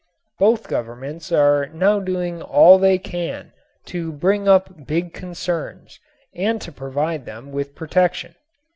Both governments are now doing all they can to build up big concerns and to provide them with protection.